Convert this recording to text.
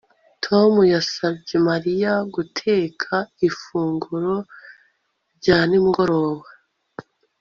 Tom yasabye Mariya guteka ifunguro rya nimugoroba